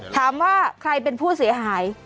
ถามว่าใครเป็นผู้เสียหาย